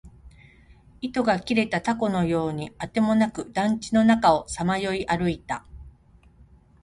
糸が切れた凧のようにあてもなく、団地の中をさまよい歩いた